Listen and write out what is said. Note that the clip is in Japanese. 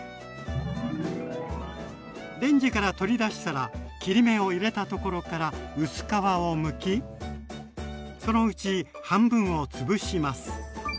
レンジから取り出したら切り目を入れたところから薄皮をむきそのうち半分を潰します。